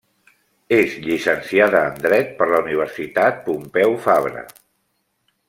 És llicenciada en Dret per la Universitat Pompeu Fabra.